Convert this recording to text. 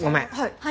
はい。